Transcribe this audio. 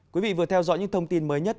quý vị vừa theo dõi những thông tin mới nhất